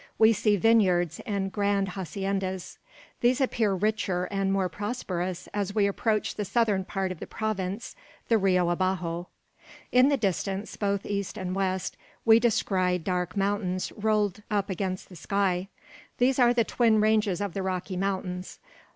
We see vineyards and grand haciendas. These appear richer and more prosperous as we approach the southern part of the province, the Rio Abajo. In the distance, both east and west, we descry dark mountains rolled up against the sky. These are the twin ranges of the Rocky Mountains.